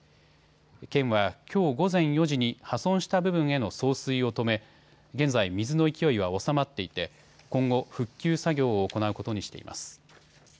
県はきょう午前４時に破損した部分への送水を止め現在、水の勢いは収まっていて今後、復旧作業を行うことにしています。